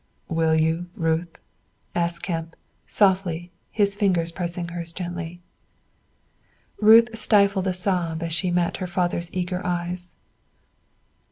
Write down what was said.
"Will you, Ruth?" asked Kemp, softly, his fingers pressing hers gently. Ruth stifled a sob as she met her father's eager eyes.